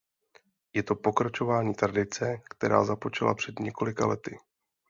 Je to pokračování tradice, která započala před několika lety.